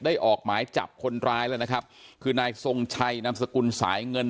ออกหมายจับคนร้ายแล้วนะครับคือนายทรงชัยนามสกุลสายเงิน